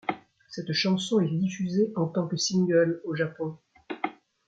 Cette chanson est diffusée en tant que single au Japon.